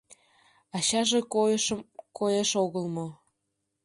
Ачаже койышым коеш огыл мо.